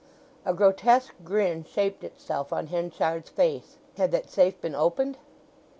A grotesque grin shaped itself on Henchard's face. Had that safe been opened?